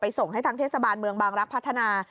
ส่งให้ทางเทศบาลเมืองบางรักพัฒนา